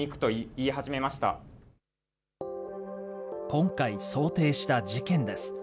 今回想定した事件です。